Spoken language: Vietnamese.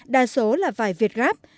đa số là vải việt grab